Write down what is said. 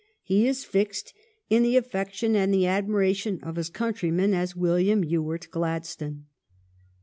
He is fixed in the affection and the admiration of his countrymen as William Ewart Gladstone.